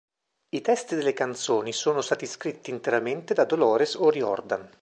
I testi delle canzoni sono stati scritti interamente da Dolores O'Riordan.